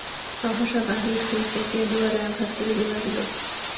সহসা বাহির হইতে কে দুয়ারে আঘাত করিতে লাগিল।